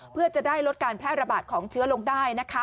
เพื่อจะได้ลดการแพร่ระบาดของเชื้อลงได้นะคะ